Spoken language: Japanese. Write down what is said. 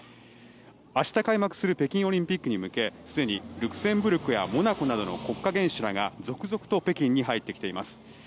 明日開幕する北京オリンピックに向けすでにルクセンブルクやモナコなどの国家元首らが続々と北京に入ってきています。